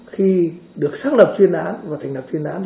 khi được xác lập truy nãn và thành lập truy nãn